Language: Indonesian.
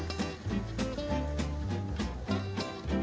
lalu kita akan mencoba lele goreng crispy